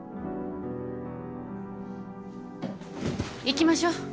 行きましょう。